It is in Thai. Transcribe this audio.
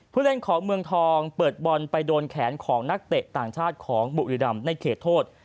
ผู้เล่นของเมืองทองเปิดบอลไปโดนแขนของนักเตะต่างชาติของบุรีรำในเขตโทษ